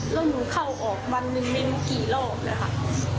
แล้วหนูเข้าออกวันหนึ่งไม่มีกี่รอบนะครับ